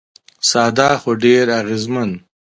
ساده خو ډېر اغېزمن.